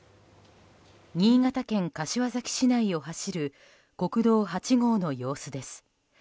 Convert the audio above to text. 新潟県柏崎市内を走る国道８号の様子です。